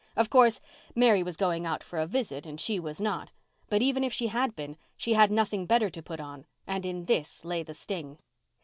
Of course, Mary was going out for a visit and she was not. But even if she had been she had nothing better to put on and in this lay the sting.